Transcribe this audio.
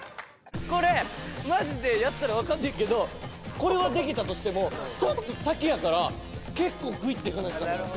これマジでやったらわかるねんけどこれはできたとしてもちょっと先やから結構グイッていかないとダメ。